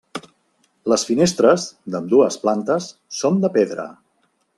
Les finestres, d'ambdues plantes, són de pedra.